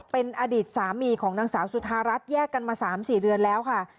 เป็นอดีตสามีของนางสาวจุธารัฐแยกกันมา๓๔เดือนแล้วค่ะ